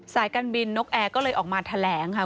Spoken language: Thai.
การบินนกแอร์ก็เลยออกมาแถลงค่ะ